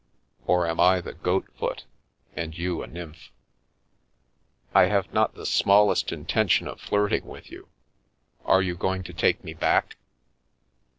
Or am I the goat foot, and you a nymph ?"" I have not the smallest intention of flirting with you. Are you going to take me back